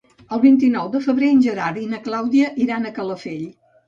El vint-i-nou de febrer en Gerard i na Clàudia iran a Calafell.